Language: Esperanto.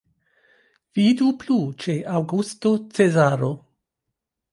Vidu plu ĉe Aŭgusto Cezaro.